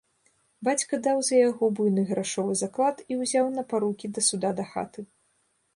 Бацька даў за яго буйны грашовы заклад і ўзяў на парукі да суда дахаты.